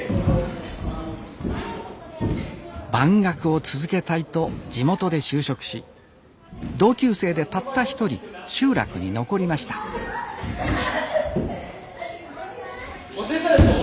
番楽を続けたいと地元で就職し同級生でたった一人集落に残りました教えたでしょ。